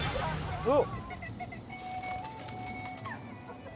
おっ！